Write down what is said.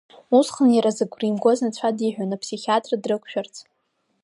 Усҟан иара зыгәра имгоз анцәа диҳәон аԥсихиатр дрықәшәарц.